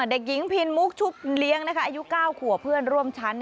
เด็กหญิงพินมุกชุบเลี้ยงนะคะอายุ๙ขัวเพื่อนร่วมชั้น